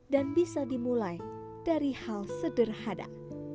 dan bisa dimulai dari hal sederhana